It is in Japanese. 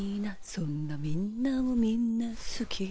「そんなみんなをみんなすき」